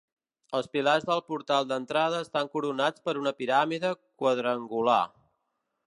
Els pilars del portal d'entrada estan coronats per una piràmide quadrangular.